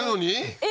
えっ？